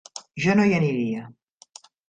Jo no hi aniria.